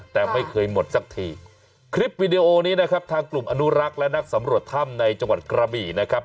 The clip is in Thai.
แต่ไม่เคยหมดสักทีคลิปวิดีโอนี้นะครับทางกลุ่มอนุรักษ์และนักสำรวจถ้ำในจังหวัดกระบี่นะครับ